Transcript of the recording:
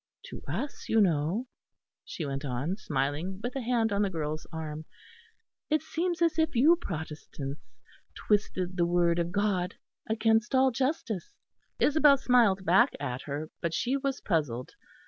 To us, you know," she went on, smiling, with a hand on the girl's arm, "it seems as if you Protestants twisted the Word of God against all justice." Isabel smiled back at her; but she was puzzled.